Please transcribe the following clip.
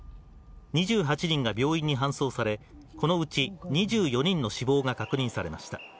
２８人が病院に搬送され、このうち２４人の死亡が確認されました。